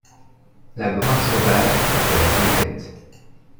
La grande sauvage, c’est la tempête